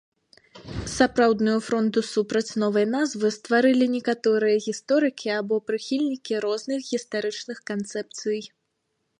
Сапраўдную фронду супраць новай назвы стварылі некаторыя гісторыкі або прыхільнікі розных гістарычных канцэпцый.